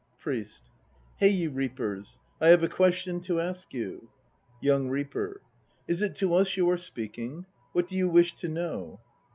PRIEST. Hey, you reapers! I have a question to ask you. YOUNG REAPER. Is it to us you are speaking? What do you wish to know?